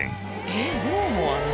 「えっ寮もあるの？」